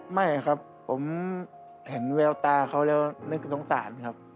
ไม่ครับผมเห็นแววตาเขาแล้วนึกสงสารครับ